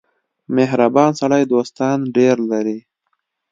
• مهربان سړی دوستان ډېر لري.